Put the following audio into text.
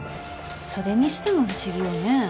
それにしても不思議よね